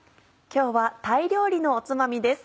今日はタイ料理のおつまみです。